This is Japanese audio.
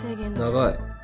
長い。